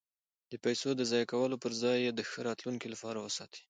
د پیسو د ضایع کولو پرځای یې د ښه راتلونکي لپاره وساتئ.